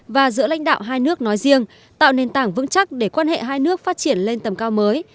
và giữa lãnh đạo hai nước nói riêng tạo nền tảng vững chắc để quan hệ hai nước phát triển lên tầm cao mới